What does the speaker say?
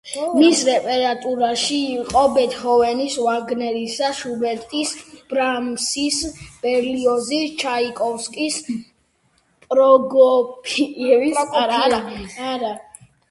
მის რეპერტუარში იყო ბეთჰოვენის, ვაგნერის, შუბერტის, ბრამსის, ბერლიოზის, ჩაიკოვსკის, პროკოფიევის, სტრავინსკის და სხვა ქმნილებანი.